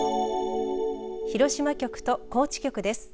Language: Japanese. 広島局と高知局です。